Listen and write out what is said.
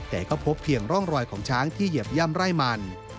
แต่ก็พบเพียงร่องรอยของช้างที่เหยียบย่ำไร่มัน